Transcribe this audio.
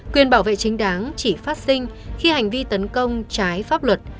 quyền bảo vệ chính đáng chỉ phát sinh khi hành vi tấn công trái pháp luật